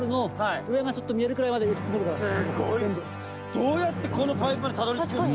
どうやってこのパイプまでたどり着くんですか？